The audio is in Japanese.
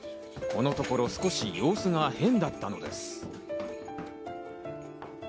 このところ少し様子が変だったのです。